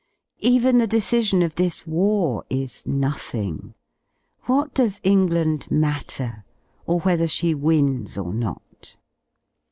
Even the decision of this war is nothing; what does England matter, or whether she wins or not.?